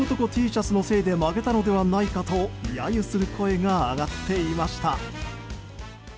Ｔシャツのせいで負けたのではないかと揶揄する声が上がっていました。